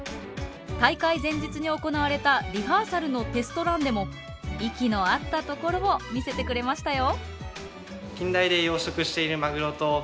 大会前日に行われたリハーサルのテストランでも息の合ったところを見せてくれましたよ。